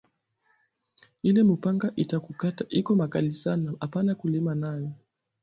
Ile mupanga ita kukata iko makali sana apana kulima nayo